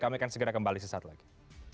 kami akan segera kembali sesaat lagi